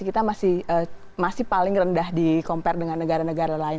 kita masih paling rendah di compare dengan negara negara lain